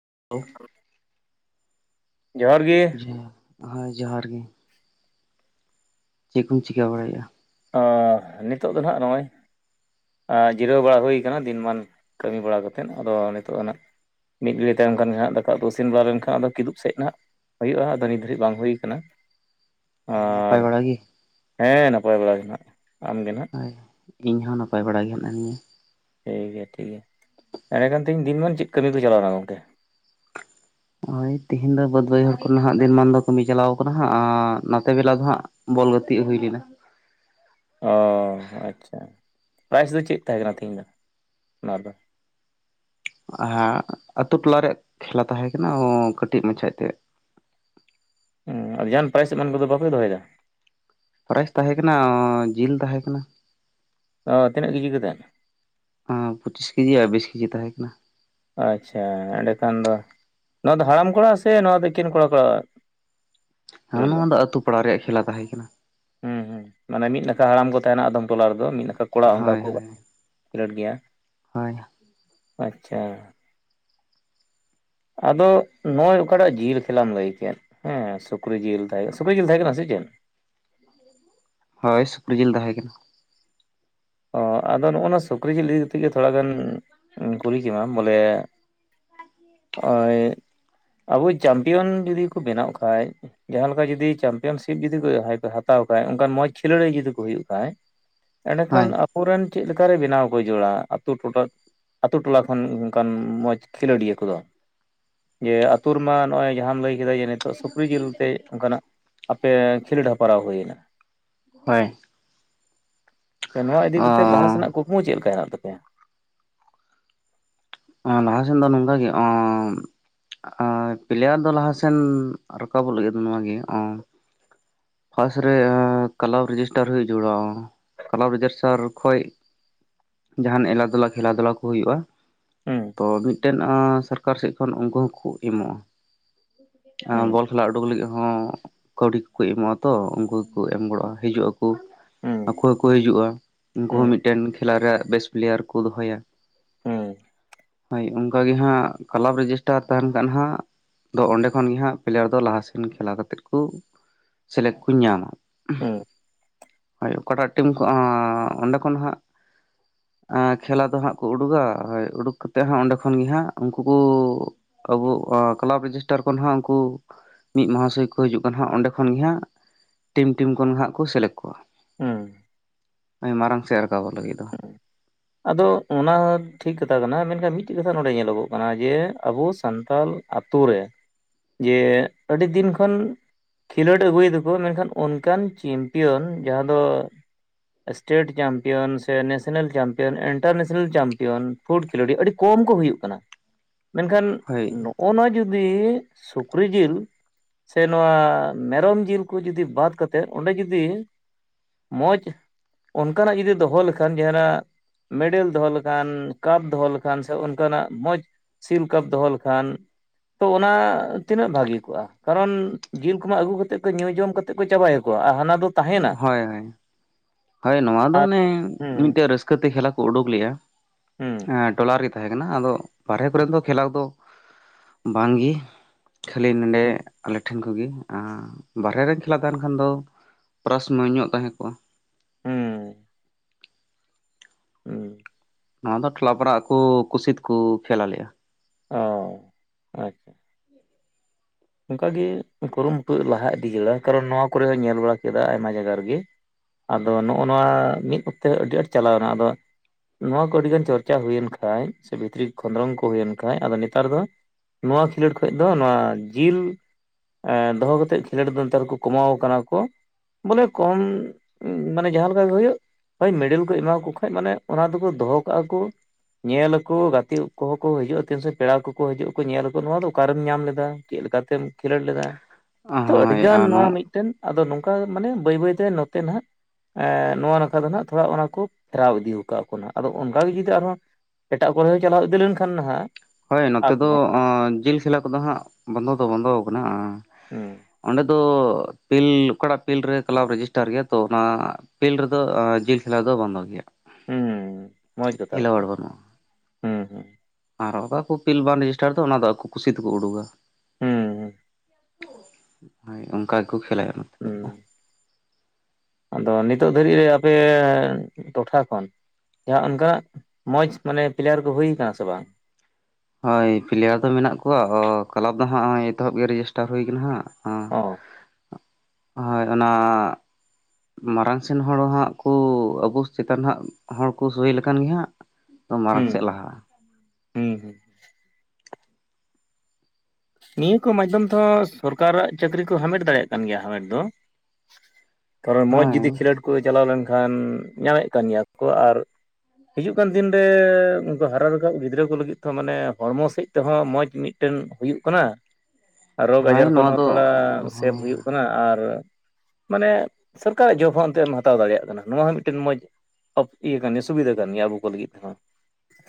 [unintelligible] ᱡᱚᱦᱟᱨ ᱜᱤ ᱦᱮᱞᱳ ᱦᱳᱭ ᱡᱚᱦᱟᱨ ᱜᱤ ᱪᱮᱫ ᱠᱩ ᱪᱤᱠᱟ ᱵᱟᱲᱟᱭᱟ ᱱᱤᱛᱚᱜ ᱫᱚ ᱱᱟᱦᱟᱜ ᱱᱚᱜᱼᱚᱭ ᱡᱤᱨᱟᱹᱣ ᱵᱟᱲᱟ ᱦᱩᱭ ᱠᱟᱱᱟ ᱫᱤᱱᱢᱟᱱ ᱠᱟᱹᱢᱤ ᱵᱟᱲᱟ ᱠᱟᱛᱮᱫ ᱟᱫᱚ ᱱᱤᱛᱚᱜ ᱦᱟᱸ ᱢᱤᱫ ᱜᱟᱹᱲᱤᱡ ᱛᱟᱭᱚᱢ ᱠᱷᱟᱱ ᱜᱮ ᱦᱟᱜ ᱫᱟᱠᱟ ᱩᱛᱩ ᱤᱥᱤᱱ ᱵᱟᱲᱟ ᱞᱮᱱᱠᱷᱟᱱ ᱟᱫᱚ ᱠᱤᱫᱩᱵ ᱥᱮᱫ ᱦᱟᱸᱜ ᱦᱩᱭᱩᱜᱼᱟ ᱟᱫᱚ ᱱᱤᱛ ᱫᱷᱟᱹᱨᱤᱡ ᱵᱟᱝ ᱦᱩᱭ ᱠᱟᱱᱟ ᱟᱨ ᱱᱟᱯᱟᱭ ᱵᱟᱲᱟ ᱜᱮ ᱦᱮᱸ ᱱᱟᱯᱟᱭ ᱵᱟᱲᱟ ᱜᱮᱱ ᱦᱟᱜ ᱦᱳᱭ ᱤᱧᱦᱚᱸ ᱱᱟᱯᱟᱭ ᱵᱟᱲᱟ ᱜᱮ ᱦᱮᱱᱟ ᱞᱤᱧᱟᱹ ᱴᱷᱤᱠ ᱜᱮᱭᱟ ᱴᱷᱤᱠ ᱜᱮᱭᱟ ᱮᱸᱰᱮ ᱠᱷᱟᱱ ᱛᱤᱦᱤᱧ ᱫᱤᱱᱢᱟᱱ ᱪᱮᱫ ᱠᱟᱹᱢᱤ ᱯᱮ ᱪᱟᱞᱟᱣ ᱞᱮᱱᱟ ᱜᱚᱢᱠᱮ ᱦᱳᱭ ᱛᱤᱦᱤᱧ ᱫᱚ ᱵᱟᱹᱫᱽ ᱵᱟᱹᱭᱦᱟᱹᱲ ᱠᱷᱚᱱ ᱦᱟᱜ ᱫᱤᱱᱢᱟᱱ ᱫᱚ ᱠᱟᱹᱢᱤ ᱪᱟᱞᱟᱣ ᱠᱟᱱᱟ ᱦᱟᱸᱜ ᱟᱨ ᱱᱚᱛᱮ ᱵᱮᱞᱟ ᱫᱚ ᱦᱟᱸᱜ ᱵᱚᱞ ᱜᱟᱹᱛᱤᱜ ᱦᱩᱭ ᱞᱮᱱᱟ ᱚ ᱟᱪᱪᱷᱟ ᱯᱨᱟᱭᱤᱡᱽ ᱫᱚ ᱪᱮᱫ ᱛᱟᱦᱮᱸ ᱠᱟᱱᱟ ᱛᱤᱦᱤᱧ ᱫᱚ ᱚᱱᱟ ᱫᱚ ᱦᱟᱸᱜ ᱟᱛᱳ ᱴᱚᱞᱟ ᱨᱮᱭᱟᱜ ᱠᱷᱮᱞᱟ ᱛᱟᱦᱮᱸ ᱠᱟᱱᱟ [unintelligible] ᱠᱟᱹᱴᱤᱡ ᱢᱟᱪᱷᱟ ᱮᱛᱮ [unintelligible] ᱦᱚᱸ ᱟᱨ ᱡᱟᱦᱟᱱ ᱯᱨᱟᱭᱤᱡᱽ ᱮᱢᱟᱱ ᱠᱚᱫᱚ ᱵᱟᱯᱮ ᱫᱚᱦᱚᱭ ᱮᱫᱟ [inaudible] ᱯᱨᱟᱭᱤᱡᱽ ᱛᱟᱦᱮᱸ ᱠᱟᱱᱟ [unintelligible] ᱡᱤᱞ ᱛᱟᱦᱮᱸ ᱠᱟᱱᱟ ᱚ ᱛᱤᱱᱟᱹᱜ ᱠᱮᱡᱤ ᱠᱟᱛᱮ [unintelligible] ᱯᱚᱸᱪᱤᱥ ᱠᱮᱡᱤ ᱟᱨ ᱵᱤᱥ ᱠᱮᱡᱤ ᱛᱟᱦᱮᱸ ᱠᱟᱱᱟ ᱟᱪᱪᱷᱟ ᱮᱸᱰᱮᱠᱷᱟᱱ ᱫᱚ ᱱᱚᱣᱟ ᱫᱚ ᱦᱟᱲᱟᱢ ᱠᱚᱲᱟ ᱥᱮ ᱱᱚᱣᱟ ᱫᱚ ᱮᱠᱷᱮᱱ ᱠᱚᱲᱟ ᱠᱚᱲᱟᱣᱟᱜ [inaudible] ᱦᱮᱸ ᱱᱚᱣᱟ ᱫᱚ ᱟᱹᱛᱩ ᱯᱟᱲᱟ ᱨᱮᱭᱟᱜ ᱠᱷᱮᱞᱟ ᱛᱟᱦᱮᱸ ᱠᱟᱱᱟ ᱦᱩᱸ ᱦᱩᱸ ᱢᱟᱱᱮ ᱢᱤᱫ ᱱᱟᱠᱷᱟ ᱦᱟᱲᱟᱢ ᱠᱚ ᱛᱟᱦᱮᱱᱟ ᱟᱫᱷᱚᱢ ᱴᱚᱞᱟ ᱨᱮᱫᱚ ᱢᱤᱫ ᱱᱟᱠᱷᱟ ᱠᱚᱲᱟ ᱚᱱᱠᱟ ᱦᱳᱭ ᱠᱚ ᱦᱳᱭ [inaudible] ᱠᱷᱮᱞᱳᱹᱰ ᱜᱮᱭᱟ ᱦᱳᱭ [inaudible] ᱟᱪᱪᱷᱟ ᱟᱫᱚ ᱱᱚᱜᱼᱚᱭ ᱚᱠᱟᱴᱟᱜ ᱡᱤᱞ ᱠᱷᱮᱞᱟᱢ ᱞᱟᱹᱭᱠᱮᱛ ᱦᱮᱸ ᱥᱩᱠᱨᱤ ᱡᱤᱞ ᱛᱟᱦᱮᱸ ᱥᱩᱠᱨᱤ ᱡᱤᱞ ᱛᱟᱦᱮᱸ ᱠᱟᱱᱟ ᱥᱮ ᱪᱮᱫ ᱪᱮᱫ [unintelligible] ᱦᱳᱭ ᱥᱩᱠᱨᱤ ᱡᱤᱞ ᱛᱟᱦᱮᱸ ᱠᱟᱱᱟ ᱚ ᱟᱫᱚ ᱱᱚᱜᱼᱚᱭ ᱱᱚᱣᱟ ᱥᱩᱠᱨᱤ ᱡᱤᱞ ᱤᱫᱤ ᱠᱟᱛᱮᱫ ᱜᱮ ᱛᱷᱚᱲᱟ ᱜᱟᱱ ᱤᱧ ᱠᱩᱞᱤ ᱠᱮᱢᱟ ᱵᱚᱞᱮ ᱱᱚᱜᱼᱚᱭ ᱟᱵᱚ ᱪᱟᱢᱯᱤᱭᱟᱱ ᱡᱩᱫᱤ ᱠᱚ ᱵᱮᱱᱟᱜ ᱠᱷᱟᱡ ᱡᱟᱦᱟᱸᱞᱮᱠᱟ ᱡᱩᱫᱤ ᱪᱟᱢᱯᱤᱭᱟᱱᱥᱤᱯ ᱡᱩᱫᱤ ᱠᱚ ᱡᱟᱦᱟᱸᱭ ᱠᱚ ᱦᱟᱛᱟᱣ ᱵᱟᱠᱷᱟᱡ ᱚᱱᱠᱟᱱ ᱢᱚᱸᱡᱽ ᱠᱷᱤᱞᱟᱹᱲᱤᱭᱟᱹ ᱡᱩᱫᱤ ᱠᱩ ᱦᱩᱭᱩᱜ ᱠᱷᱟᱡ [inaudible] ᱠᱷᱟᱱ ᱟᱵᱚᱨᱮᱱ ᱪᱮᱫ ᱞᱮᱠᱟᱨᱮ ᱵᱮᱱᱟᱣ ᱠᱚ ᱡᱚᱲᱟ ᱟᱹᱛᱩ ᱴᱚᱴᱷᱟ ᱟᱛᱳ ᱴᱚᱞᱟ ᱠᱷᱚᱱ ᱚᱱᱠᱟᱱ ᱢᱚᱡᱽ ᱠᱷᱮᱞᱳᱰᱤᱭᱟᱹ ᱠᱚᱫᱚ ᱡᱮ ᱟᱛᱳ ᱨᱮᱢᱟ ᱱᱚᱜᱼᱚᱭ ᱡᱟᱦᱟᱸᱢ ᱞᱟᱹᱭ ᱠᱮᱫᱟᱭ ᱡᱮ ᱱᱤᱛᱚᱜ ᱥᱩᱠᱨᱤ ᱡᱤᱞᱛᱮ ᱚᱱᱠᱟᱱᱟᱜ ᱟᱯᱮ ᱠᱷᱮᱞᱳᱹᱰ ᱦᱮᱯᱨᱟᱣ ᱦᱩᱭᱮᱱᱟ ᱦᱳᱭ [unintelligible] ᱱᱚᱣᱟ ᱤᱫᱤ ᱠᱟᱛᱮᱜ ᱞᱟᱦᱟ ᱚ ᱥᱮᱱᱟᱜ ᱠᱩᱠᱢᱩ ᱪᱮᱫ ᱞᱮᱠᱟ ᱦᱮᱱᱟᱜ ᱛᱟᱯᱮᱭᱟ [inaudible] [unintelligible] ᱞᱟᱦᱟ ᱥᱮᱱ ᱫᱚ ᱱᱚᱝᱠᱟᱜᱮ [unintelligible] ᱟᱨ ᱯᱞᱮᱭᱟᱨ ᱫᱚ ᱞᱟᱦᱟ ᱥᱮᱱ ᱨᱟᱠᱟᱵᱚᱜ ᱞᱟᱹᱜᱤᱫ ᱱᱚᱣᱟᱜᱮ [unintelligible] ᱯᱷᱟᱥᱴ ᱨᱮ [unintelligible] ᱠᱞᱟᱵᱽ ᱨᱮᱡᱤᱥᱴᱟᱨ ᱦᱩᱭ ᱡᱚᱲᱟᱣ ᱠᱞᱟᱵᱽ ᱨᱮᱡᱤᱥᱴᱟᱨ ᱠᱷᱚᱡ ᱡᱟᱦᱟᱱ ᱮᱞᱟᱫᱩᱞᱟ ᱠᱷᱮᱞᱟᱫᱩᱞᱟ ᱠᱩ ᱦᱩᱭᱩᱜᱼᱟ ᱦᱩᱸ ᱛᱚ ᱢᱤᱫᱴᱮᱱ [unintelligible] ᱥᱚᱨᱠᱟᱨ ᱥᱮᱫ ᱠᱷᱚᱱ ᱩᱱᱠᱩ ᱦᱚᱸᱠᱚ ᱮᱢᱚᱜᱼᱟ ᱦᱩᱸ [unintelligible] ᱵᱚᱞ ᱠᱷᱮᱞᱟ ᱩᱰᱩᱠ ᱞᱟᱹᱜᱤᱫ ᱦᱚᱸ ᱠᱟᱹᱣᱰᱤ ᱠᱚᱠᱚ ᱮᱢᱚᱜᱼᱟ ᱛᱚ ᱩᱱᱠᱩ ᱜᱮᱠᱚ ᱮᱢ ᱜᱚᱲᱚᱜᱼᱟ ᱦᱤᱡᱩᱜ ᱟᱠᱚ ᱦᱩᱸ ᱟᱠᱚ ᱦᱚᱸᱠᱚ ᱦᱤᱡᱩᱜᱼᱟ ᱩᱱᱠᱩ ᱦᱚᱸ ᱦᱩᱸ ᱢᱤᱫᱴᱮᱱ ᱠᱷᱮᱞᱟ ᱨᱮᱭᱟᱜ ᱵᱮᱥᱴ ᱯᱞᱮᱭᱟᱨ ᱠᱚ ᱫᱚᱦᱚᱭᱟ [inaudible] ᱦᱩᱸ ᱦᱳᱭ ᱚᱱᱠᱟᱜᱮ ᱦᱟᱸᱜ ᱠᱞᱟᱵᱽ ᱨᱮᱡᱤᱥᱴᱟᱨ ᱛᱟᱦᱮᱱ ᱠᱷᱟᱱ ᱦᱟᱸᱜ ᱫᱚ ᱚᱸᱰᱮ ᱠᱷᱚᱱᱜᱮ ᱦᱟᱸᱜ ᱯᱞᱮᱭᱟᱨ ᱫᱚ ᱞᱟᱦᱟᱥᱮᱱ ᱠᱷᱮᱞᱟ ᱠᱟᱛᱮᱫ ᱠᱚ ᱥᱮᱞᱮᱫ ᱠᱚ ᱧᱟᱢᱟ ᱦᱩᱸ [unintelligible] ᱦᱳᱭ ᱚᱠᱟᱴᱟᱜ ᱴᱤᱢ ᱠᱷᱚᱱ [unintelligible] ᱚᱸᱰᱮ ᱠᱷᱚᱱ ᱦᱟᱸᱜ [unintelligible] ᱠᱷᱮᱞᱟ ᱫᱚ ᱦᱟᱸᱜ ᱠᱚ ᱩᱰᱩᱜᱟ ᱦᱳᱭ ᱩᱰᱩᱜᱽ ᱠᱟᱛᱮᱫ ᱦᱚᱸ ᱚᱸᱰᱮ ᱠᱷᱚᱱ ᱜᱮ ᱦᱟᱸᱜ ᱩᱱᱠᱩ ᱠᱚ ᱟᱵᱚ [unintelligible] ᱠᱞᱟᱵᱽ ᱨᱮᱡᱤᱥᱴᱟᱨ ᱠᱷᱚᱱ ᱦᱟᱸᱜ ᱩᱱᱠᱩ ᱢᱤᱫ ᱢᱚᱦᱟᱥᱚᱭ ᱠᱚ ᱦᱤᱡᱩᱜ ᱠᱟᱱᱟ ᱦᱟᱸᱜ ᱚᱸᱰᱮ ᱠᱷᱚᱱᱜᱮ ᱦᱟᱸᱜ ᱴᱤᱢ ᱴᱤᱢ ᱠᱷᱚᱱ ᱦᱟᱸᱜ ᱠᱚ ᱥᱮᱞᱮᱫ ᱠᱚᱣᱟ ᱦᱮᱸ [inaudible] ᱟᱡ ᱢᱟᱨᱟᱝ ᱥᱮᱫ ᱨᱟᱠᱟᱵᱚᱜ ᱞᱟᱹᱜᱤᱫ ᱫᱚ [unintelligible] ᱟᱫᱚ ᱚᱱᱟ ᱦᱚᱸ ᱴᱷᱤᱠ ᱠᱟᱛᱷᱟ ᱠᱟᱱᱟ ᱢᱮᱱᱠᱷᱟᱱ ᱢᱤᱫᱴᱮᱱ ᱠᱟᱛᱷᱟ ᱱᱚᱰᱮ ᱧᱮᱞᱚᱜᱚᱜ ᱠᱟᱱᱟ ᱡᱮ ᱟᱵᱚ ᱥᱟᱱᱛᱟᱲ ᱟᱹᱛᱩ ᱨᱮ ᱡᱮ ᱟᱹᱰᱤᱫᱤᱱ ᱠᱷᱚᱱ ᱠᱷᱮᱞᱳᱹᱰ ᱟᱹᱜᱩᱭᱮᱫᱟᱠᱚ ᱢᱮᱱᱠᱷᱟᱱ ᱚᱱᱠᱟᱱ ᱪᱮᱢᱯᱤᱭᱚᱱ ᱡᱟᱦᱟᱸ ᱫᱚ ᱥᱴᱮᱮᱴ ᱪᱟᱢᱯᱤᱭᱚᱱᱥ ᱥᱮ ᱱᱮᱥᱮᱱᱮᱞ ᱪᱟᱢᱯᱤᱭᱟᱱ ᱤᱱᱴᱟᱨᱱᱮᱥᱮᱱᱮᱞ ᱪᱟᱢᱯᱤᱭᱟᱱ ᱯᱷᱩᱰ ᱠᱷᱮᱞᱳᱲᱤᱟᱹᱰᱤ ᱠᱚᱢ ᱠᱚ ᱦᱩᱭᱩᱜ ᱠᱟᱱᱟ ᱢᱮᱱᱠᱷᱟᱱ ᱦᱳᱭ ᱱᱚᱜᱼᱚ ᱱᱚᱣᱟ ᱡᱩᱫᱤ ᱥᱩᱠᱨᱤ ᱡᱤᱞ ᱥᱮ ᱱᱚᱣᱟ ᱢᱮᱨᱚᱢ ᱡᱤᱞ ᱠᱚ ᱡᱩᱫᱤ ᱵᱟᱫ ᱠᱟᱛᱮᱮᱫ ᱚᱸᱰᱮ ᱡᱩᱫᱤ ᱢᱚᱡᱽ ᱚᱱᱠᱟᱱᱟᱜ ᱡᱩᱫᱤ ᱫᱚᱦᱚ ᱞᱮᱠᱷᱟᱱ ᱡᱟᱦᱟᱱᱟᱜ ᱢᱮᱰᱮᱞ ᱫᱚᱦᱚ ᱞᱮᱠᱷᱟᱱ ᱠᱟᱯ ᱫᱚᱦᱚ ᱞᱮᱠᱷᱟᱱ ᱥᱮ ᱚᱱᱠᱟᱱᱟᱜ ᱢᱚᱡᱽ ᱥᱤᱞ ᱠᱟᱯ ᱫᱚᱦᱚ ᱞᱮᱠᱷᱟᱱ ᱛᱚ ᱚᱱᱟ ᱛᱤᱱᱟᱹᱜ ᱵᱷᱟᱹᱜᱤ ᱠᱚᱜᱼᱟ ᱠᱟᱨᱚᱱ ᱡᱤᱞ ᱠᱚᱢᱟ ᱟᱹᱜᱩ ᱠᱟᱛᱮᱮᱫ ᱠᱚ ᱧᱩ ᱡᱚᱢ ᱠᱟᱛᱮ ᱠᱚ ᱪᱟᱵᱟᱭ ᱟᱠᱚᱣᱟ ᱟᱨ ᱦᱟᱱᱟ ᱫᱚ ᱦᱳᱭ ᱛᱟᱦᱮᱱᱟ ᱦᱳᱭ ᱦᱳᱭ ᱱᱚᱣᱟ ᱫᱚ ᱟᱨ ᱚᱱᱮ ᱦᱩᱸ ᱢᱤᱫᱴᱮᱡ ᱨᱟᱹᱥᱠᱟᱹᱛᱮ ᱠᱷᱮᱞᱟ ᱠᱚ ᱩᱰᱩᱠ ᱞᱮᱫᱼᱟ ᱦᱩᱸ ᱴᱚᱞᱟ ᱨᱮ ᱛᱟᱦᱮᱸ ᱠᱟᱱᱟ ᱟᱫᱚ ᱵᱟᱨᱦᱨᱮ ᱠᱚᱨᱮ ᱫᱚ ᱠᱷᱮᱞᱟᱰ ᱫᱚ ᱵᱟᱝᱜᱮ ᱠᱷᱟᱹᱞᱤ ᱱᱚᱰᱮ ᱦᱩᱸ ᱟᱞᱮ ᱴᱷᱮᱱ ᱠᱚᱜᱮ ᱵᱟᱦᱨᱮ ᱨᱧ ᱠᱷᱮᱞᱟ ᱛᱟᱦᱮᱸᱱ ᱠᱷᱟᱱ ᱫᱚ ᱯᱨᱟᱥᱢᱚᱭ ᱧᱚᱜ ᱛᱟᱦᱮᱸ ᱠᱚᱜᱼᱟ ᱦᱮᱸ ᱦᱮᱸ ᱱᱚᱣᱟ ᱫᱚ ᱴᱚᱞᱟ ᱯᱟᱲᱟ ᱠᱚ ᱠᱩᱥᱤᱛᱠᱚ ᱠᱷᱮᱞᱟ ᱟᱞᱮᱭᱟ ᱚ ᱟᱪᱪᱷᱟ ᱚᱱᱠᱟᱜᱮ ᱠᱩᱨᱩᱢᱩᱴᱩ ᱞᱟᱦᱟ ᱤᱫᱤ ᱡᱮ ᱠᱟᱨᱚᱱ ᱱᱚᱣᱟ ᱠᱚᱨᱮ ᱦᱚᱸᱧ ᱧᱮᱞ ᱵᱟᱲᱟ ᱠᱮᱫᱟ ᱟᱭᱢᱟ ᱡᱟᱭᱜᱟ ᱨᱮᱜᱮ ᱟᱫᱚ ᱱᱚᱜᱼᱚ ᱱᱚᱣᱟ ᱢᱤᱫ ᱚᱠᱛᱮ ᱟᱹᱰᱤ ᱟᱸᱴ ᱪᱟᱞᱟᱣᱱᱟ ᱟᱫᱚ ᱱᱚᱣᱟ ᱠᱚ ᱟᱹᱰᱤᱜᱟᱱ ᱪᱚᱨᱪᱟ ᱦᱩᱭᱮᱱ ᱠᱷᱟᱡ ᱥᱮ ᱵᱷᱤᱛᱨᱤ ᱠᱷᱚᱸᱫᱽᱨᱚᱸ ᱠᱚ ᱦᱩᱭᱮᱱ ᱠᱷᱟᱡ ᱟᱫᱚ ᱱᱮᱛᱟᱨ ᱫᱚ ᱱᱚᱣᱟ ᱠᱷᱮᱞᱳᱰ ᱠᱷᱚᱱ ᱫᱚ ᱱᱚᱣᱟ ᱡᱤᱞ ᱮ ᱫᱚᱦᱚ ᱠᱟᱛᱮᱜ ᱠᱷᱮᱞᱳᱰ ᱫᱚ ᱱᱮᱛ ᱨᱮ ᱠᱚ ᱠᱚᱢᱟᱣ ᱠᱟᱱᱟ ᱠᱚ ᱵᱚᱞᱮ ᱠᱚᱢ ᱢᱟᱱᱮ ᱡᱟᱦᱟᱸᱞᱮ ᱞᱮᱠᱟ ᱜᱮ ᱦᱩᱭᱩᱜ ᱦᱳᱭ ᱢᱮᱰᱮᱞ ᱠᱚ ᱮᱢᱟᱣᱟ ᱠᱚ ᱠᱷᱟᱱ ᱢᱟᱱᱮ ᱚᱱᱟ ᱫᱚᱠᱚ ᱫᱚᱦᱚ ᱠᱟᱜᱼᱟ ᱠᱚ ᱧᱮᱞ ᱟᱠᱚ ᱜᱟᱛᱮᱜ ᱠᱚᱦᱚᱸ ᱠᱚ ᱦᱤᱡᱩᱜᱼᱟ ᱛᱤᱱ ᱥᱮ ᱯᱮᱲᱟ ᱠᱚᱠᱚ ᱦᱤᱡᱩᱜ ᱟᱠᱚ ᱧᱮᱞ ᱟᱠᱚ ᱱᱚᱶᱟ ᱫᱚ ᱚᱠᱟᱨᱮᱢ ᱧᱟᱢ ᱞᱮᱫᱟ ᱪᱮᱫ ᱞᱮᱠᱟᱛᱮᱢ ᱠᱷᱮᱞᱳᱰ ᱞᱮᱫᱟ ᱛᱚ ᱦᱳᱭ ᱟᱹᱰᱤᱜᱟᱱ ᱟᱨ ᱱᱚᱣᱟ ᱢᱤᱫᱴᱮᱱ ᱟᱫᱚ ᱱᱚᱝᱠᱟ ᱢᱟᱱᱮ ᱵᱟᱹᱭ ᱵᱟᱹᱭᱛᱮ ᱱᱚᱛᱮ ᱦᱟᱜ ᱮ ᱱᱚᱣᱟ ᱱᱟᱠᱷᱟ ᱫᱚ ᱦᱜ ᱛᱷᱚᱲᱟ ᱚᱱᱟ ᱠᱚ ᱯᱷᱮᱨᱟᱣ ᱤᱫᱤ ᱠᱟᱜ ᱠᱚ ᱟᱫᱚ ᱚᱱᱠᱟᱜᱮ ᱡᱩᱫᱤ ᱟᱨᱦᱚᱸ ᱮᱴᱟᱜ ᱠᱚᱨᱮ ᱦᱚᱸ ᱪᱟᱞᱟᱣ ᱤᱫᱤ ᱞᱮᱱᱠᱷᱟᱱ ᱱᱟᱦᱟᱜ ᱦᱳᱭ ᱱᱚᱛᱮ ᱟᱨ ᱫᱚ ᱦᱚᱸ ᱡᱤᱞ ᱠᱷᱮᱞᱟ ᱠᱚᱫᱚ ᱦᱟᱸᱜ ᱵᱚᱱᱫᱚ ᱫᱚ ᱵᱚᱱᱫᱚ ᱟᱠᱟᱱᱟ ᱦᱩᱸ ᱚᱸᱰᱮ ᱫᱚ ᱯᱤᱞ ᱚᱠᱟᱴᱟᱜ ᱯᱤᱞᱰ ᱨᱮ ᱠᱞᱟᱵᱽ ᱨᱮᱡᱤᱥᱴᱟᱨ ᱜᱮᱭᱟ ᱛᱚ ᱚᱱᱟ ᱯᱤᱞᱰ ᱨᱮᱫᱚ ᱡᱤᱞ ᱠᱷᱮᱞᱟ ᱫᱚ ᱵᱷᱟᱝ ᱵᱷᱟᱜᱤᱭᱟ ᱦᱩᱸ ᱢᱚᱡᱽ ᱠᱟᱛ ᱠᱟᱱᱟ ᱵᱟᱹᱱᱩᱜᱼᱟ ᱦᱩᱸ ᱦᱩᱸ ᱟᱨ ᱚᱠᱟ ᱠᱚ ᱯᱤᱞ ᱵᱟᱝ ᱨᱮᱡᱤᱥᱴᱟᱨ ᱫᱚᱫᱟ ᱚᱱᱟ ᱫᱚ ᱟᱠᱚ ᱠᱩᱥᱤ ᱛᱮᱠᱚ ᱩᱰᱩᱠᱟᱟ ᱦᱮᱸᱮᱸ ᱦᱳᱭ ᱚᱱᱠᱟ ᱜᱮᱠᱚ ᱠᱷᱮᱞᱟᱭᱟ ᱦᱩᱸ ᱟᱫᱚ ᱱᱤᱛᱚᱜ ᱫᱷᱟᱹᱨᱤᱡ ᱨᱮ ᱟᱯᱮ ᱴᱚᱴᱷᱟ ᱠᱷᱚᱱ ᱡᱟᱦᱟᱸ ᱚᱱᱠᱟᱱᱟᱜ ᱢᱚᱸᱡ ᱢᱮ ᱯᱞᱮᱭᱟᱨ ᱠᱚ ᱦᱩᱭ ᱠᱟᱱᱟ ᱥᱮ ᱵᱟᱝ ᱦᱳᱭ ᱯᱞᱮᱭᱟᱨ ᱫᱚ ᱢᱮᱱᱟᱜ ᱠᱚᱣᱟ ᱠᱞᱟᱵᱽ ᱫᱚ ᱦᱟᱸᱜᱜᱚᱭ ᱮᱛᱚᱦᱚᱵ ᱜᱮ ᱨᱮᱡᱤᱥᱴᱟᱨ ᱦᱩᱭ ᱠᱟᱱᱟ ᱦᱟᱸᱜ ᱟᱸ ᱚᱸ ᱦᱳᱭ ᱚᱱᱟ ᱢᱟᱨᱟᱝ ᱥᱮᱱ ᱦᱚᱲ ᱦᱟᱸᱜ ᱠᱩ ᱟᱵᱚ ᱪᱮᱛᱟᱱ ᱦᱜ ᱦᱚᱲᱠᱚ ᱥᱳᱭ ᱞᱮᱠᱟᱱ ᱜᱮᱦᱟᱸᱜ ᱢᱟᱨᱟᱝ ᱦᱩᱸ ᱥᱮᱫ ᱞᱟᱦᱟᱜᱼᱟ ᱦᱩᱸ ᱦᱩᱸ ᱱᱤᱭᱟᱹ ᱠᱚ ᱢᱟᱫᱽᱫᱷᱚᱢ ᱛᱮᱦᱚᱸ ᱥᱚᱨᱠᱟᱨᱟᱜ ᱪᱟᱹᱠᱨᱤ ᱠᱚ ᱦᱟᱢᱮᱴ ᱫᱟᱲᱮᱭᱟᱜ ᱠᱟᱱ ᱜᱮᱭᱟ ᱦᱟᱢᱮᱴ ᱫᱚ ᱛᱟᱨᱚᱱ ᱢᱚᱸᱡᱽ ᱦᱳᱭ ᱡᱩᱚᱫᱤ ᱠᱷᱮᱞᱳᱰ ᱠᱚ ᱪᱟᱞᱟᱣ ᱞᱮᱱᱠᱷᱟᱱ ᱧᱟᱢᱮᱫ ᱠᱟᱱ ᱜᱮᱭᱟ ᱠᱚ ᱟᱨ ᱦᱤᱡᱩᱜ ᱠᱟᱱ ᱫᱤᱱ ᱨᱮ ᱩᱱᱠᱩ ᱦᱟᱨᱟ ᱨᱟᱠᱟᱵ ᱜᱤᱫᱽᱨᱟᱹ ᱠᱚ ᱞᱟᱹᱜᱤᱫ ᱛᱮ ᱢᱟᱱᱮ ᱦᱚᱲᱢᱚ ᱥᱮᱫ ᱛᱮᱦᱚᱸ ᱢᱚᱡᱽ ᱢᱤᱫᱴᱮᱱ ᱦᱩᱭᱩᱜ ᱠᱟᱱᱟ ᱨᱳᱜᱽ ᱦᱳᱭ ᱟᱡᱟᱨ ᱠᱷᱚᱱ ᱱᱚᱣᱟ ᱦᱚᱸ ᱫᱚ ᱛᱷᱚᱲᱟ ᱥᱮᱵᱷ ᱦᱳᱭ ᱦᱩᱭᱩᱜ ᱠᱟᱱᱟ ᱟᱨ ᱢᱟᱱᱮ ᱥᱚᱨᱠᱟᱨᱟᱜ ᱡᱚᱵ ᱦᱚᱸ ᱚᱱᱛᱮᱢ ᱦᱟᱛᱟᱣ ᱫᱟᱲᱮᱭᱟᱜ ᱠᱟᱱᱟ ᱱᱚᱣᱟ ᱦᱚᱸ ᱢᱤᱫᱴᱮᱱ ᱢᱚᱡᱽ ᱤᱭᱟᱹ ᱠᱟᱱ ᱜᱮᱭᱟ ᱥᱩᱵᱤᱫᱷᱟ ᱠᱟᱱ ᱜᱮᱭᱟ ᱟᱵᱚ ᱠᱚ ᱞᱟᱹᱜᱤᱫ ᱛᱮᱦᱚᱸ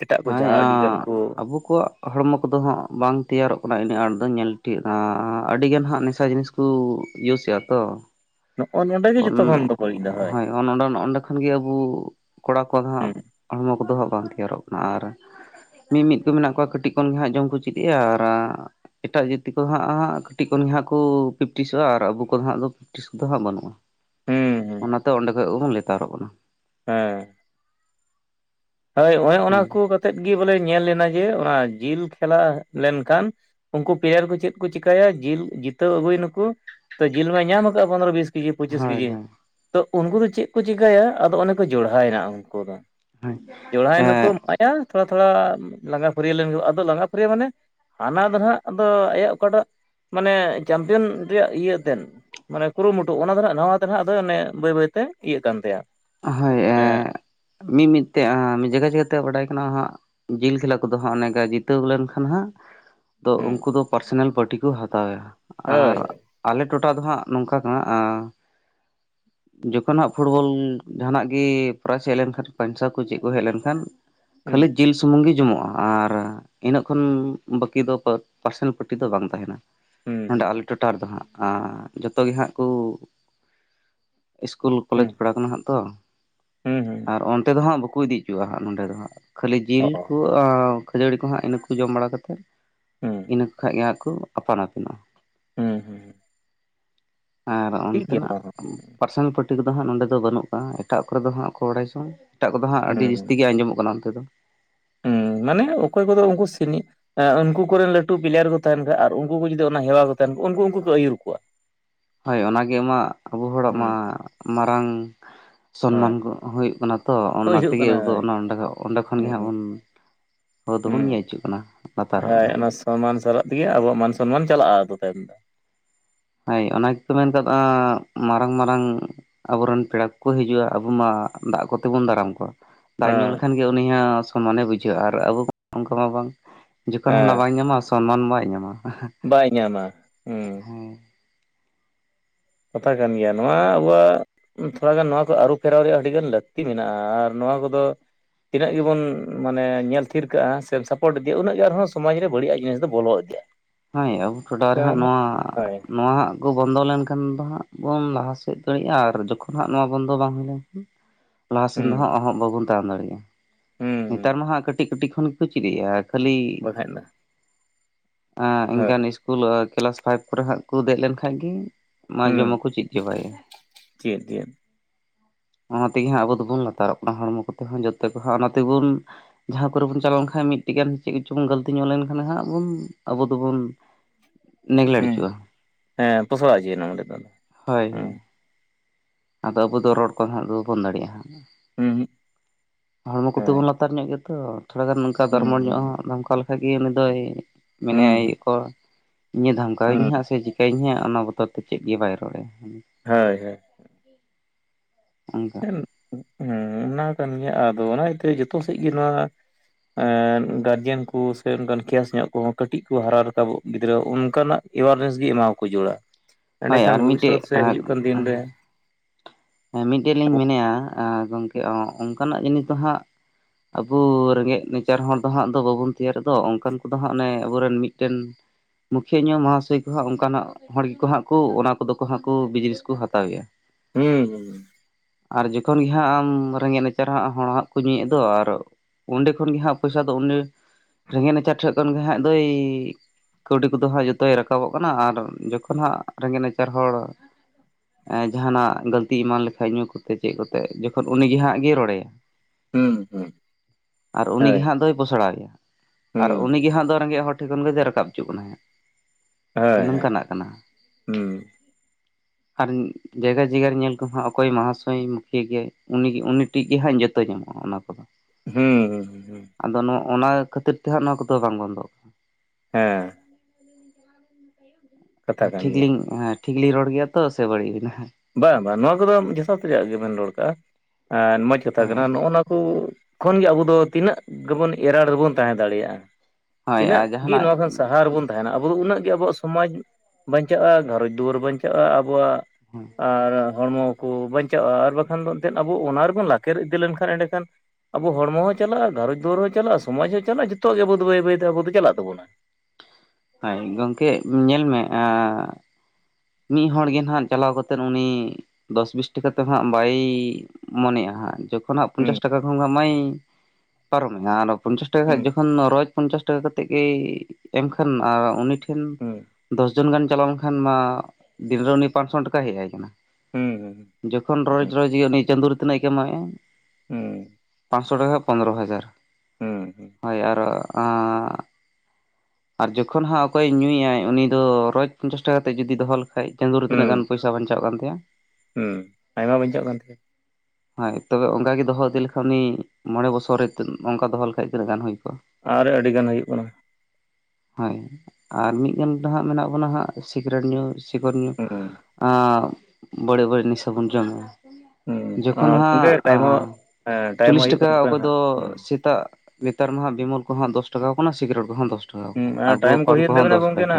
ᱮᱴᱟᱜ ᱠᱚ ᱦᱮᱸ ᱡᱟᱦᱟᱸ ᱟᱹᱰᱤ ᱜᱟᱱ ᱠᱚ ᱟᱵᱚ ᱠᱚᱣᱟᱜ ᱦᱚᱲᱢᱚ ᱠᱚᱫᱚ ᱦᱟᱸᱜ ᱵᱟᱝ ᱛᱮᱭᱟᱨᱚᱜ ᱚᱱᱟ ᱤᱱᱟᱹᱜ ᱟᱸᱴ ᱫᱚ ᱧᱮᱞ ᱴᱼᱟ ᱟᱹᱰᱤᱜᱟᱱ ᱦᱟᱸᱜ ᱱᱮᱥᱟ ᱡᱤᱱᱤᱥ ᱠᱚ ᱤᱭᱩᱥᱮᱫᱼᱟ ᱛᱚ ᱱᱚᱜᱼᱚ ᱱᱚᱰᱮ ᱜᱮ ᱡᱚᱛᱚᱠᱷ ᱠᱷᱚᱱ ᱫᱚ ᱵᱟᱹᱲᱤᱡ ᱦᱳᱭ ᱚᱸᱰᱮ ᱠᱷᱚᱱᱜᱮ ᱟᱵᱚ ᱠᱚᱲᱟ ᱠᱚ ᱫᱚ ᱦᱟᱸᱜ ᱦᱩᱸ ᱦᱚᱲᱢᱚ ᱠᱚᱫᱚ ᱦᱟᱸᱜ ᱵᱟᱝ ᱛᱮᱭᱟᱨᱚᱜ ᱠᱟᱱᱟ ᱟᱨ ᱢᱤᱼᱢᱤᱫ ᱠᱚ ᱢᱮᱱᱟᱜ ᱠᱚᱣᱟ ᱠᱟᱹᱴᱤᱡ ᱠᱷᱚᱱ ᱜᱮ ᱦᱟᱸᱜ ᱡᱚᱢ ᱠᱚ ᱪᱮᱫ ᱮᱼᱟ ᱟᱨ ᱮᱴᱟᱜ ᱡᱟᱹᱛᱤ ᱠᱚ ᱦᱟᱸᱜ ᱠᱟᱹᱴᱤᱡ ᱠᱷᱚᱱ ᱜᱮ ᱦᱟᱸᱜ ᱠᱚ ᱯᱮᱠᱴᱤᱥᱚᱜᱼᱟ ᱟᱨ ᱟᱵᱚ ᱠᱚᱫᱚ ᱦᱟᱜ ᱫᱚ ᱯᱨᱮᱠᱴᱤᱥ ᱠᱚᱫᱚ ᱦᱟᱸᱜ ᱵᱟᱹᱱᱩᱜᱼᱟ ᱦᱩᱸ ᱦᱩᱸ ᱚᱱᱟᱛᱮ ᱚᱸᱰᱮ ᱠᱷᱚᱡ ᱜᱮᱵᱚᱱ ᱞᱮᱛᱟᱲᱚᱜ ᱠᱟᱱᱟ ᱦᱮᱸ ᱦᱳᱭ ᱜᱮ ᱦᱳᱭ ᱚᱱᱟᱠᱚ ᱠᱟᱛᱮᱫ ᱜᱮ ᱵᱚᱞᱮ ᱧᱮᱞ ᱞᱮᱱᱟ ᱡᱮ ᱚᱱᱟ ᱡᱤᱞ ᱠᱷᱮᱞᱟ ᱞᱮᱱᱠᱷᱟᱱ ᱩᱱᱠᱩ ᱯᱞᱮᱭᱟᱨ ᱠᱚ ᱪᱮᱫ ᱠᱚ ᱪᱤᱠᱟᱹᱭᱟ ᱡᱤᱞ ᱡᱤᱛᱟᱹᱣ ᱟᱹᱜᱩᱭᱱᱟᱠᱚ ᱛᱚ ᱡᱤᱞ ᱢᱟᱭ ᱧᱟᱢ ᱟᱠᱟᱫᱼᱟ ᱯᱚᱱᱨᱚ ᱵᱤᱥ ᱠᱮᱡᱤ ᱯᱚᱸᱪᱤᱥ ᱦᱳᱭ ᱠᱮᱡᱤ ᱦᱳᱭ ᱛᱚ ᱩᱱᱠᱩ ᱫᱚ ᱪᱮᱫ ᱠᱚ ᱪᱤᱠᱟᱭᱟ ᱟᱫᱚ ᱚᱱᱮ ᱠᱚ ᱡᱚᱲᱦᱟᱭᱮᱱᱟ ᱩᱱᱠᱩ ᱫᱚ ᱡᱟᱦᱟᱭ ᱱᱩᱠᱚ ᱮᱸ ᱮᱢᱟᱭᱟ ᱛᱷᱚᱲᱟ ᱛᱷᱚᱲᱟ ᱞᱟᱸᱜᱟ ᱯᱷᱩᱨᱭᱟᱹ ᱞᱮᱱ ᱟᱫᱚ ᱞᱟᱸᱜᱟ ᱯᱷᱟᱹᱨᱭᱟᱹ ᱢᱟᱱᱮ ᱦᱟᱱᱟ ᱫᱚ ᱦᱟᱜ ᱟᱫᱚ ᱟᱭᱟᱜ ᱚᱠᱟᱴᱟᱜ ᱢᱟᱱᱮ ᱪᱟᱢᱯᱤᱭᱟᱱ ᱨᱮᱭᱟᱜ ᱤᱭᱟᱹᱛᱮᱫ ᱢᱟᱱᱮ ᱠᱩᱲᱩᱢᱩᱴᱩ ᱛᱚ ᱚᱱᱟ ᱫᱚ ᱜ ᱱᱟᱣᱟ ᱛᱮᱜᱫᱚ ᱚᱱᱮ ᱵᱟᱹᱭ ᱵᱟᱹᱭᱛᱮ ᱤᱭᱟᱹᱜ ᱠᱟᱱ ᱛᱟᱭᱟ ᱦᱳᱭ ᱦᱮᱸ ᱢᱤᱢᱤᱫ ᱢᱤᱫ ᱡᱟᱭᱜᱟ ᱪᱮᱠᱟᱛᱮ ᱵᱟᱰᱟᱭ ᱠᱟᱱᱟ ᱦᱟᱸᱜ ᱡᱤᱞ ᱠᱷᱮᱞᱟ ᱠᱚᱫᱚ ᱦᱟᱸᱜ ᱚᱱᱮᱠᱟ ᱡᱤᱛᱟᱹᱣ ᱞᱮᱱᱠᱷᱟᱱ ᱦᱟᱸᱜ ᱫᱚ ᱩᱱᱠᱩ ᱫᱚ ᱯᱟᱨᱥᱚᱱᱟᱞ ᱯᱟᱴᱤ ᱠᱚ ᱦᱟᱛᱟᱣᱟ ᱟᱨ ᱦᱳᱭ ᱟ ᱟ ᱴᱚᱴᱷᱟ ᱫᱚ ᱦᱟᱸᱜ ᱱᱚᱝᱠᱟ ᱠᱟᱱᱟ ᱡᱚᱠᱷᱚᱱ ᱦᱟᱸᱜ ᱯᱷᱩᱴᱵᱚᱞ ᱡᱟᱦᱱᱟᱜ ᱜᱮ ᱯᱨᱟᱭᱮᱥ ᱦᱮᱡ ᱞᱮᱱᱠᱷᱟᱱ ᱯᱟᱭᱥᱟ ᱠᱚ ᱪᱮᱫ ᱠᱚ ᱦᱮᱡ ᱞᱮᱱ ᱠᱷᱟᱱ ᱦᱩᱸ ᱠᱷᱟᱹᱞᱤ ᱡᱤᱞ ᱥᱩᱢᱩᱝ ᱜᱮ ᱡᱚᱢᱚᱜᱼᱟ ᱟᱨ ᱤᱱᱟᱹᱜ ᱠᱷᱚᱱ ᱵᱟᱹᱠᱤ ᱫᱚ ᱯᱟᱨᱥᱮᱱ ᱯᱟᱴᱤ ᱫᱚ ᱵᱟᱝ ᱛᱟᱦᱮᱱᱟ ᱦᱩᱸ ᱱᱚᱸᱰᱮ ᱟᱞᱮ ᱦᱩᱸ ᱴᱚᱴᱷᱟ ᱨᱮᱫᱚ ᱦᱟᱸᱜ ᱡᱚᱛᱚ ᱜᱮ ᱦᱟᱸᱜ ᱠᱚ ᱤᱥᱠᱩᱞ ᱦᱩᱸ ᱠᱚᱞᱮᱡᱽ [unintelligible] ᱠᱟᱱᱟ ᱦᱟᱸᱜ ᱛᱚ ᱦᱩᱸ ᱦᱩᱸ ᱟᱨ ᱚᱱᱛᱮ ᱫᱚ ᱦᱟᱸᱜ ᱵᱟ ᱠᱚ ᱤᱫᱤ ᱚᱪᱚᱣᱟᱜᱼᱟ ᱦᱟᱸᱜ ᱱᱚᱸᱰᱮ ᱫᱚ ᱦᱟᱸᱜ ᱠᱷᱟᱹᱞᱤ ᱚ ᱡᱤᱞ ᱠᱚ ᱠᱷᱟᱹᱡᱟᱹᱲᱤ ᱠᱚ ᱦᱟᱸᱜ ᱤᱱᱟᱹᱠᱚ ᱡᱚᱢ ᱵᱟᱲᱟ ᱠᱟᱛᱮᱫ ᱦᱩᱸ ᱤᱱᱟᱹᱠᱚ ᱠᱷᱟᱱ ᱜᱮ ᱦᱟᱸᱜ ᱠᱚ ᱟᱯᱟᱱ ᱟᱹᱯᱤᱱᱚᱜᱼᱟ ᱦᱮᱸ ᱦᱮᱸᱸ ᱟᱨ ᱚᱱᱛᱮᱱᱟᱜ ᱯᱟᱨᱥᱱᱟᱞ ᱯᱟᱨᱴᱤ ᱠᱚᱫᱚ ᱫᱚ ᱦᱟᱸᱜ ᱱᱚᱸᱰᱮ ᱫᱚ ᱵᱟᱹᱱᱩᱜ ᱟᱠᱟᱼᱟ ᱮᱴᱟᱜ ᱠᱚᱨᱮ ᱫᱚ ᱦᱟᱜ ᱠᱚᱲᱟᱭ ᱮᱴᱟᱜ ᱠᱚᱫᱚ ᱦᱟᱸᱜ ᱟᱹᱰᱤ ᱡᱟᱹᱥᱛᱤ ᱦᱩᱸ ᱜᱮ ᱟᱸᱡᱚᱢᱚᱜ ᱠᱟᱱᱟ ᱚᱱᱛᱮ ᱫᱚ ᱦᱩᱸ ᱢᱟᱱᱮ ᱚᱠᱚᱭ ᱠᱚᱫᱚ ᱩᱱᱠᱩ ᱩᱱᱠᱩ ᱠᱚᱨᱮᱱ ᱞᱟᱹᱴᱩ ᱯᱞᱮᱭᱟᱨ ᱠᱚ ᱛᱟᱦᱮᱱ ᱠᱷᱟᱱ ᱟᱨ ᱩᱱᱠᱩ ᱠᱚ ᱡᱩᱫᱤ ᱚᱱᱟ ᱦᱮᱣᱟ ᱠᱚ ᱛᱟᱦᱮᱱᱟᱱ ᱩᱱᱠᱩ ᱩᱱᱠᱩ ᱠᱚ ᱟᱹᱭᱩᱨ ᱠᱚᱣᱟ ᱦᱳᱭ ᱚᱱᱟᱜᱮ ᱟᱢᱟᱜ ᱟᱵᱚ ᱦᱚᱲᱟᱜ ᱦᱩᱸ ᱢᱟ ᱢᱟᱨᱟᱝ ᱥᱚᱱᱢᱟᱱ ᱦᱳᱭ ᱦᱩᱭᱩᱜ ᱠᱟᱱᱟ ᱛᱚ ᱦᱳᱭ ᱚᱱᱟ ᱦᱩᱭᱩᱜ ᱛᱮᱜᱮ ᱠᱟᱱᱟ ᱟᱵᱚ ᱦᱳᱭ [unintelligible] ᱚᱸᱰᱮ ᱠᱷᱚᱱᱜᱮ ᱦᱟᱸᱜ ᱦᱩᱸ ᱵᱚᱱ ᱦᱳᱭ ᱫᱚᱵᱚᱱ ᱦᱩᱸ ᱧᱮᱞ ᱦᱚᱪᱚᱜ ᱠᱟᱱᱟ ᱞᱟᱛᱟᱨᱚᱜ ᱦᱳᱭ ᱠᱟᱱᱟ ᱚᱱᱟ ᱥᱚᱢᱟᱱ ᱥᱟᱞᱟᱜ ᱛᱮᱜᱮ ᱟᱵᱚᱣᱟᱜ ᱢᱟᱱ ᱥᱚᱱᱢᱟᱱ ᱪᱟᱞᱟᱜᱼᱟ ᱟᱫᱚ ᱛᱟᱭᱚᱢ ᱫᱚ ᱦᱳᱭ ᱚᱱᱟ ᱜᱮᱠᱚ ᱢᱮᱱ ᱠᱟᱫᱟᱼᱟ ᱢᱟᱨᱟᱝ ᱢᱟᱨᱟᱝ ᱟᱵᱚᱨᱮᱱ ᱯᱮᱲᱟ ᱠᱚᱠᱚ ᱦᱤᱡᱩᱜᱼᱟ ᱟᱵᱚ ᱢᱟ ᱫᱟᱜ ᱠᱚᱛᱮ ᱵᱚᱱ ᱫᱟᱨᱟᱢ ᱠᱚᱣᱟ ᱫᱟᱜ ᱧᱩ ᱦᱮᱸ ᱞᱮᱠᱷᱟᱱ ᱜᱮ ᱩᱱᱤ ᱦᱚᱸ ᱥᱚᱢᱟᱱᱮ ᱵᱩᱡᱷᱟᱹᱜᱼᱟ ᱟᱨ ᱟᱵᱚ ᱚᱱᱠᱟ ᱢᱟ ᱵᱟᱝ ᱡᱚᱠᱷᱚᱱ ᱦᱩᱱᱟ ᱦᱮᱸ ᱵᱟᱝ ᱧᱟᱢᱟ ᱥᱚᱱᱢᱟᱱ ᱵᱟᱭ ᱧᱟᱢᱟ ᱵᱟᱭ ᱧᱟᱢᱟ ᱦᱮᱸ ᱠᱟᱛᱷᱟ ᱠᱟᱱ ᱜᱮᱭᱟ ᱱᱚᱣᱟ ᱟᱵᱚᱣᱟᱜ ᱛᱷᱚᱲᱟ ᱜᱟᱱ ᱱᱚᱣᱟ ᱠᱚ ᱟᱹᱨᱩ ᱯᱷᱮᱨᱟᱣ ᱨᱮᱭᱟᱜ ᱟᱹᱰᱤᱜᱟᱱ ᱞᱟᱹᱠᱛᱤ ᱢᱮᱱᱟᱜᱼᱟ ᱟᱨ ᱱᱚᱣᱟ ᱱᱚᱣᱟ ᱠᱚᱫᱚ ᱛᱤᱱᱟᱹᱜ ᱜᱮᱵᱚᱱ ᱢᱟᱱᱮ ᱧᱮᱞ ᱛᱷᱤᱨ ᱠᱟᱜᱼᱟ ᱥᱮᱢ ᱥᱟᱯᱳᱨᱴ ᱤᱫᱤᱤᱭᱟ ᱩᱱᱟᱹᱜ ᱜᱮ ᱟᱨᱦᱚᱸ ᱥᱚᱢᱟᱡᱽ ᱨᱮ ᱵᱟᱹᱲᱤᱡᱟᱜ ᱡᱤᱱᱤᱥ ᱫᱚ ᱵᱚᱞᱚ ᱤᱫᱤᱭᱟ ᱦᱮᱸ ᱟᱵᱚ ᱴᱚᱴᱷᱟ [unintelligible] ᱱᱚᱣᱟ ᱦᱳᱭ ᱱᱚᱣᱟ ᱦᱟᱜ ᱠᱚ ᱵᱚᱱᱫᱚ ᱞᱮᱱᱠᱷᱟᱱ ᱦᱟᱸᱜ ᱵᱚᱱ ᱞᱟᱦᱟ ᱥᱮᱫ ᱫᱟᱲᱮᱭᱟᱜᱼᱟ ᱟᱨ ᱡᱚᱠᱷᱚᱱ ᱦᱟᱸᱜ ᱱᱚᱣᱟ ᱵᱚᱱᱫᱚ ᱵᱟᱝ ᱦᱩᱭ ᱞᱮᱱᱠᱷᱟᱱ ᱞᱟᱦᱟᱥᱮᱱ ᱦᱩᱸ ᱫᱚ ᱦᱟᱸᱜ ᱮᱦᱚᱜ ᱵᱟᱵᱚᱱ ᱛᱟᱲᱟᱢ ᱫᱟᱲᱮᱭᱟᱜᱼᱟ ᱱᱮᱛᱟᱨ ᱦᱩᱸ ᱢᱟ ᱦᱟᱸᱜ ᱠᱟᱹᱴᱤᱡ ᱠᱟᱹᱴᱤᱡ ᱠᱷᱚᱱ ᱜᱮᱠᱚ ᱪᱮᱫᱮᱫᱼᱟ ᱠᱷᱟᱹᱞᱤ ᱵᱟᱠᱷᱟᱡ ᱫᱚ ᱦᱳᱭ ᱤᱱᱠᱟᱱ ᱤᱥᱠᱩᱞ ᱠᱞᱟᱥ ᱯᱟᱭᱤᱯ ᱠᱚᱨᱮ ᱦᱟᱜ ᱠᱚ ᱫᱮᱡ ᱞᱮᱱ ᱠᱷᱟᱱ ᱜᱮ ᱢᱟ ᱡᱚᱢᱟᱜ ᱦᱩᱸ ᱠᱚ ᱪᱮᱫ ᱪᱮᱵᱟᱭᱟ ᱪᱮᱫ ᱪᱮᱫ ᱚᱱᱟ ᱛᱮᱜᱮ ᱦᱟᱸᱜ ᱟᱵᱚ ᱫᱚᱵᱚᱱ ᱞᱟᱛᱟᱨᱚᱜ ᱠᱟᱱᱟ ᱦᱚᱲᱢᱚ ᱠᱚᱛᱮ ᱦᱚᱸ ᱡᱚᱛᱚ ᱠᱚ ᱦᱟᱸᱜ ᱚᱱᱟ ᱛᱮᱵᱚᱱ ᱡᱟᱦᱟᱸ ᱠᱚᱨᱮ [inaudible] ᱪᱟᱞᱟᱣ ᱞᱮᱱᱠᱷᱟᱱᱡ ᱢᱤᱫᱴᱮᱱ ᱜᱟᱱ ᱪᱮᱫ ᱠᱚᱪᱚᱝ ᱵᱚᱱ ᱜᱟᱹᱞᱛᱤ ᱧᱚᱜ ᱞᱮᱱᱠᱷᱟᱱᱚᱜ ᱵᱚᱱ ᱟᱵᱚ ᱫᱚᱵᱚᱱ ᱱᱮᱜᱽᱞᱮᱴ ᱦᱩᱸ ᱦᱚᱪᱚᱜᱼᱟ ᱦᱮᱸ ᱯᱚᱥᱲᱟ ᱤᱫᱤᱭᱮᱱᱟ ᱚᱸᱰᱮ ᱫᱚ ᱟᱫᱚ ᱦᱳᱭ ᱦᱩᱸ ᱟᱫᱚ ᱟᱵᱚ ᱫᱚ ᱨᱚᱲ ᱠᱚᱫᱚ ᱦᱟᱸᱜ ᱫᱚᱵᱚᱱ ᱫᱟᱲᱮᱭᱟᱜᱼᱟ ᱦᱟᱸᱜ ᱦᱩᱸ ᱦᱚᱲᱢᱚ ᱠᱚᱛᱮ ᱦᱳᱭ ᱵᱚᱱ ᱞᱟᱛᱟᱨ ᱧᱚᱜ ᱜᱮᱭᱟᱛᱚ ᱛᱷᱚᱲᱟ ᱜᱟᱱ ᱱᱚᱝᱠᱟ ᱦᱩᱸ ᱫᱷᱚᱨᱢᱚᱲ ᱧᱚᱜ ᱦᱩᱸ ᱦᱚᱸ ᱱᱚᱝᱠᱟ ᱵᱷᱟᱜᱮ ᱩᱱ ᱫᱚᱭ ᱢᱮᱱᱮ ᱦᱩᱸ ᱠᱚ ᱤᱧᱮ ᱦᱩᱸ ᱫᱷᱟᱢᱠᱟᱣᱤᱧᱟᱹ ᱥᱮ ᱪᱮᱠᱟᱹ ᱮᱧᱟ ᱚᱱᱟ ᱵᱚᱛᱚᱨ ᱪᱮᱫ ᱜᱮ ᱵᱟᱭ ᱨᱚᱲ ᱮ ᱦᱳᱭ ᱦᱳᱭ ᱚᱱᱠᱟ ᱦᱮᱸ ᱦᱮᱸ ᱚᱱᱟ ᱠᱟᱱ ᱜᱮᱭᱟ ᱟᱫᱚ ᱚᱱᱟ ᱤᱭᱟᱹᱛᱮ ᱡᱚᱛᱚ ᱥᱮᱫ ᱜᱮ ᱱᱚᱣᱟ ᱜᱟᱨᱡᱮᱱ ᱠᱚ ᱥᱮ ᱚᱱᱠᱟᱱ ᱠᱷᱮᱥ ᱧᱚᱜ ᱠᱚᱦᱚᱸ ᱠᱟᱹᱴᱤᱡ ᱠᱚ ᱦᱟᱨᱟ ᱨᱟᱠᱟᱵᱚᱜ ᱜᱤᱫᱽᱨᱟᱹ ᱚᱱᱠᱟᱱᱟᱜ ᱮᱣᱟᱨᱱᱮᱥ ᱜᱮ ᱮᱢᱟᱣᱟᱠᱚ ᱦᱩᱭᱩᱜ-ᱟ ᱦᱳᱭ ᱮᱸᱰᱮᱠᱷᱟᱱ ᱟᱨ ᱢᱤᱫᱴᱮᱡ ᱵᱷᱚᱵᱤᱥᱚᱛ ᱥᱮ ᱦᱮᱸ ᱦᱤᱡᱩᱜ ᱠᱟᱱ ᱫᱤᱱᱨᱮ ᱢᱤᱫᱴᱮᱱ ᱞᱤᱧ ᱢᱮᱱᱮᱫ-ᱟ ᱟ ᱜᱚᱢᱠᱮ ᱚᱱᱠᱟᱱᱟᱜ ᱡᱤᱱᱤᱥ ᱫᱚ ᱦᱟᱸᱜ ᱟᱵᱚ ᱨᱮᱸᱜᱮᱡ ᱱᱟᱪᱟᱨ ᱦᱚᱲ ᱫᱚ ᱦᱟᱸᱜ ᱫᱚ ᱵᱟᱵᱚᱱ ᱛᱮᱭᱟᱨ ᱫᱚ ᱚᱱᱠᱟᱱ ᱠᱚᱫᱚ ᱦᱟᱸᱜ ᱚᱱᱮ ᱟᱵᱚᱨᱮᱱ ᱢᱤᱫᱴᱮᱱ ᱢᱩᱠᱷᱤᱭᱟᱹ ᱧᱚᱜ ᱢᱚᱦᱟᱥᱚᱭ ᱠᱚᱦᱟᱜ ᱚᱱᱠᱟᱱᱟᱜ ᱦᱚᱲ ᱜᱮᱠᱚ ᱦᱟᱸᱜ ᱠᱚ ᱚᱱᱟ ᱠᱚᱫᱚ ᱠᱚ ᱦᱟᱸᱜ ᱠᱚ ᱵᱤᱡᱽᱱᱮᱥ ᱠᱚ ᱦᱟᱛᱟᱣ ᱮᱭᱟ ᱦᱮᱸ ᱦᱮᱸ ᱟᱨ ᱡᱚᱠᱷᱚᱱ ᱜᱮ ᱦᱟᱸᱜ ᱟᱢ ᱨᱮᱸᱜᱮᱡ ᱱᱟᱪᱟᱨ ᱦᱚᱸᱜ ᱦᱚᱲ ᱦᱟᱸᱜ ᱠᱚ ᱧᱩᱭᱮᱫ ᱫᱚ ᱟᱨ ᱚᱸᱰᱮ ᱠᱷᱚᱱᱜᱮ ᱦᱟᱸᱜ ᱯᱚᱭᱥᱟ ᱫᱚ ᱩᱱᱤ ᱨᱮᱸᱜᱮᱡ ᱱᱟᱪᱟᱨ ᱴᱷᱮᱡ ᱠᱷᱚᱱ ᱜᱮ ᱦᱟᱸᱜ ᱫᱚᱭ ᱠᱟᱹᱣᱰᱤ ᱠᱚᱫᱚ ᱦᱟᱸᱜ ᱡᱚᱛᱚᱭ ᱨᱟᱠᱟᱵᱚᱜ ᱠᱟᱱᱟ ᱟᱨ ᱡᱚᱠᱷᱚᱱ ᱦᱟᱸᱜ ᱨᱮᱸᱜᱮᱡ ᱱᱟᱪᱟᱨ ᱦᱚᱲ ᱡᱟᱦᱟᱱᱟᱜ ᱜᱟᱞ ᱛᱤ ᱮᱢᱟᱱ ᱞᱮᱠᱷᱟᱡ ᱧᱩ ᱠᱚᱛᱮ ᱪᱮᱫ ᱠᱚᱛᱮ ᱡᱚᱠᱷᱚᱱ ᱩᱱᱤ ᱜᱮ ᱦᱟᱸᱜ ᱜᱮᱭ ᱨᱚᱲᱮᱭᱟ ᱟᱨ ᱩᱱᱤ ᱜᱮᱦᱟᱸᱜ ᱫᱚᱭ ᱯᱚᱥᱲᱟᱣᱮᱭᱟ ᱟᱨ ᱩᱱᱤ ᱜᱮ ᱦᱟᱸᱜ ᱫᱚ ᱨᱮᱸᱜᱮᱡ ᱦᱚᱲ ᱴᱷᱮᱱ ᱠᱷᱚᱱ ᱜᱮᱭ ᱨᱟᱠᱟᱵ ᱦᱚᱪᱚᱜ ᱠᱟᱱᱟᱭ ᱦᱟᱸᱜ ᱱᱚᱝᱠᱟᱱᱟᱜ ᱠᱟᱱᱟ ᱟᱨ ᱡᱟᱭᱜᱟ ᱡᱟᱭᱜᱟ ᱨᱮ ᱧᱮᱞ ᱠᱚᱦᱟᱜ ᱚᱠᱚᱭ ᱢᱚᱦᱟᱥᱚᱭ ᱢᱩᱠᱷᱤᱭᱟᱹ ᱜᱮᱭᱟᱭ ᱩᱱᱤ ᱜᱮ ᱩᱱᱤ ᱴᱷᱮᱱ ᱜᱮ ᱦᱟᱸᱜ ᱡᱚᱛᱚ ᱧᱟᱢᱚᱜᱼᱟ ᱚᱱᱟ ᱠᱚᱫᱚ ᱦᱩᱸ ᱦᱩᱸ ᱟᱫᱚ ᱚᱱᱟ ᱠᱷᱟᱹᱛᱤᱨ ᱛᱮᱦᱟᱸᱜ ᱱᱚᱣᱟ ᱠᱚᱫᱚ ᱵᱟᱝ ᱵᱚᱱᱫᱚᱜ ᱠᱟᱱᱟ ᱦᱮᱸ ᱠᱟᱛᱷᱟ ᱠᱟᱱ ᱜᱮᱭᱟ ᱴᱷᱤᱠᱞᱤᱧ ᱦ ᱴᱷᱤᱠᱞᱤᱤᱧ ᱨᱚᱲ ᱜᱮᱭᱟ ᱛᱚ ᱥᱮ ᱵᱟᱹᱲᱤᱡ ᱮᱱᱟ ᱵᱟᱝ ᱵᱟᱝ ᱱᱚᱣᱟ ᱠᱚᱫᱚ ᱡᱚᱛᱷᱟᱛ ᱨᱮᱭᱟᱜ ᱜᱮᱵᱮᱱ ᱨᱚᱲ ᱠᱟᱜᱼᱟ ᱢᱚᱸᱡᱽ ᱠᱟᱛᱷᱟ ᱠᱟᱱᱟ ᱦᱳᱭ ᱱᱚᱜᱼᱚ ᱱᱚᱣᱟ ᱠᱚ ᱠᱷᱚᱱ ᱜᱮ ᱟᱵᱚ ᱫᱚ ᱛᱤᱱᱟᱹᱜ ᱜᱮᱵᱚᱱ ᱮᱨᱟᱲ ᱨᱮᱵᱚᱱ ᱛᱟᱦᱮᱸ ᱫᱟᱲᱮᱭᱟᱜᱼᱟ ᱦᱳᱭ ᱛᱤᱱᱟᱹᱜ ᱟᱨ ᱜᱮ ᱡᱟᱦᱟᱱᱟᱜ ᱱᱚᱣᱟ ᱠᱷᱚᱱ ᱥᱟᱦᱟᱨ ᱨᱮᱵᱚᱱ ᱛᱟᱦᱮᱱᱟ ᱟᱵ ᱩᱱᱟᱹᱜ ᱜᱮ ᱟᱵᱚᱣᱟᱜ ᱥᱚᱢᱟᱡᱽ ᱵᱟᱧᱪᱟᱜᱼᱟ ᱜᱷᱟᱨᱚᱸᱡᱽ ᱫᱩᱣᱟᱹᱨ ᱵᱟᱧᱪᱟᱜᱼᱟ ᱟᱵᱚᱣᱟᱜ ᱟᱨ ᱦᱚᱲᱢᱚ ᱠᱚ ᱵᱟᱧᱪᱟᱜᱼᱟ ᱟᱨ ᱵᱟᱠᱷᱟᱱ ᱫᱚ ᱮᱱᱮᱫ ᱟᱵᱚ ᱚᱱᱟ ᱨᱮᱵᱚᱱ ᱞᱟᱠᱮᱨ ᱤᱫᱤ ᱞᱮᱱᱠᱷᱟᱱ ᱮᱸᱰᱮᱠᱷᱟᱱ ᱟᱵᱚ ᱦᱚᱲᱢᱚ ᱦᱚᱸ ᱪᱟᱞᱟᱜᱼᱟ ᱜᱷᱟᱨᱚᱡᱽ ᱫᱩᱣᱟᱹᱨ ᱦᱚᱸ ᱪᱟᱞᱟᱜᱼᱟ ᱥᱚᱢᱟᱡᱽ ᱦᱚᱸ ᱪᱟᱞᱟᱜᱼᱟ ᱡᱚᱛᱚᱣᱟᱜ ᱜᱮ ᱟᱵᱚ ᱵᱟᱹᱭ ᱵᱟᱹᱭ ᱛᱮ ᱟᱵᱚ ᱫᱚ ᱪᱟᱞᱟᱜ ᱛᱟᱵᱚᱱᱟ ᱦᱳᱭ ᱜᱚᱢᱠᱮ ᱧᱮᱞ ᱢᱮ ᱢᱤᱫ ᱦᱚᱲᱜᱮ ᱱᱟᱦᱟᱜ ᱪᱟᱞᱟᱣᱛᱮᱫ ᱩᱱᱤ ᱫᱚᱥ ᱵᱤᱥ ᱴᱟᱠᱟ ᱛᱮᱦᱚᱸ ᱵᱟᱭ ᱢᱚᱱᱮᱮᱜᱼᱟ ᱡᱚᱠᱷᱚᱱᱦᱟᱜ ᱯᱚᱧᱪᱟᱥ ᱴᱟᱠᱟ ᱠᱷᱚᱱᱚ ᱢᱟᱭ ᱯᱟᱨᱚᱢᱮ ᱟᱨᱚ ᱯᱚᱧᱪᱟᱥ ᱴᱟᱠᱟ ᱠᱷᱚᱱ ᱡᱚᱠᱷᱚᱱ ᱟᱨᱚᱡᱽ ᱯᱚᱧᱪᱟᱥ ᱴᱟᱠᱟ ᱠᱟᱛᱮᱫ ᱜᱮᱭ ᱮᱢᱠᱷᱟᱱ ᱟᱨ ᱩᱱᱤ ᱴᱷᱮᱱ ᱫᱚᱥ ᱡᱚᱱ ᱜᱟᱱ ᱪᱟᱞᱟᱣ ᱞᱮᱱᱠᱷᱟᱱ ᱢᱟ ᱫᱤᱱᱨᱮ ᱩᱱᱤ ᱯᱟᱸᱪᱥᱚ ᱴᱟᱠᱟᱭ ᱦᱮᱡ ᱟᱭ ᱠᱟᱱᱟ ᱡᱚᱠᱷᱚᱱ ᱨᱚᱡ ᱨᱚᱡ ᱜᱮ ᱩᱱᱤ ᱪᱟᱸᱫᱳ ᱨᱮ ᱛᱤᱱᱟᱹᱜ ᱠᱟᱢᱟᱭᱮ ᱟ ᱦᱮᱸ ᱛᱷᱚᱰᱟ ᱦᱟᱜ ᱯᱚᱱᱨᱚ ᱦᱟᱡᱟᱨ ᱦᱳᱭ ᱟᱨᱚ ᱟᱨ ᱡᱚᱠᱷᱚᱱ ᱦᱟᱸᱜ ᱚᱠᱚᱭᱮ ᱧᱩᱭᱟᱭ ᱩᱱᱤ ᱫᱚ ᱨᱚᱡᱽ ᱯᱚᱧᱪᱟᱥ ᱴᱟᱠᱟ ᱠᱟᱛᱮᱮᱫ ᱡᱩᱫᱤ ᱫᱚᱦᱚ ᱞᱮᱠᱷᱟᱡ ᱪᱟᱸᱫᱳ ᱨᱮ ᱛᱤᱱᱟᱹᱜ ᱜᱟᱱ ᱯᱚᱭᱥᱟ ᱵᱟᱧᱪᱟᱜ ᱠᱟᱱ ᱛᱟᱭᱟ ᱦᱮᱸ ᱟᱭᱢᱟ ᱵᱟᱧᱪᱟᱜ ᱠᱟᱱ ᱛᱱᱟ ᱦᱳᱭ ᱛᱚᱵᱮ ᱚᱱᱠᱟᱟᱜ ᱜᱮ ᱫᱚᱦᱚ ᱤᱫᱤ ᱞᱮᱠᱷᱟᱱ ᱩᱱᱤ ᱢᱚᱬᱮ ᱵᱚᱪᱷᱚᱨ ᱨᱮ ᱚᱱᱠᱟ ᱫᱚᱦᱚ ᱞᱮᱠᱷᱟᱡ ᱛᱤᱱᱟᱹᱜ ᱜᱟᱱ ᱦᱩᱭᱜᱼᱟ ᱟᱨ ᱟᱹᱰᱤ ᱜᱟᱱ ᱦᱩᱭᱩᱜ ᱠᱟᱱᱟ ᱦᱳᱭ ᱟᱨ ᱢᱤᱫᱜᱟᱱ ᱦᱟᱸᱜ ᱢᱮᱱᱟᱜ ᱵᱚᱱᱟ ᱦᱟᱸᱜ ᱥᱤᱠᱨᱮᱴ ᱧᱩ ᱥᱤᱜᱚᱱ ᱧᱩ ᱦᱩᱸ ᱵᱟᱲᱮᱹᱡ ᱵᱟᱹᱲᱤᱡ ᱱᱤᱥᱟᱹ ᱵᱚᱱ ᱡᱚᱢ ᱦᱩᱸ ᱮᱟ ᱡᱚᱠᱷᱚᱱ ᱟᱨ ᱜᱚᱝᱠᱮ ᱦᱟᱸᱜ ᱴᱟᱭᱤᱢ ᱦᱚᱸ ᱦᱮᱸ ᱴᱟᱭᱤᱢ ᱪᱚᱞᱞᱤᱥ ᱦᱚᱸ ᱦᱩᱭᱩᱜ ᱴᱟᱠᱟ ᱠᱟᱱ ᱛᱟᱵᱮᱱᱟ ᱚᱠᱚᱭ ᱫᱚ ᱦᱟᱸᱜ ᱦᱩᱸ ᱥᱮᱛᱟᱜ ᱱᱮᱛᱟᱨ ᱢᱟ ᱦᱟᱜ ᱵᱤᱢᱚᱞ ᱠᱚᱦᱚ ᱫᱚᱥ ᱴᱟᱠᱟ ᱟᱠᱟᱱᱟ ᱥᱤᱜᱨᱮᱴ ᱠᱚᱦᱚᱸ ᱫᱚᱥ ᱴᱟᱠᱟ ᱦᱩᱸ ᱟᱠᱟᱱᱟ ᱟᱨ ᱜᱩᱟᱹ ᱴᱟᱭᱤᱢ ᱠᱚ ᱯᱟᱱ ᱦᱩᱭᱮᱱ ᱠᱚᱦᱚᱸ ᱛᱟᱵᱮᱱᱟ ᱫᱚᱥ ᱜᱚᱝᱠᱮ ᱯᱟᱸᱪ ᱴᱟᱠᱟ ᱱᱟᱦᱟᱜ ᱟᱠᱟᱱᱟ